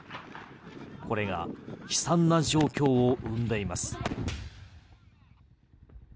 これが悲惨な状況を生んでいます。